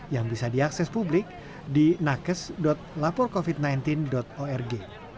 yang bisa diakses publik di nakes laporcovid sembilan belas org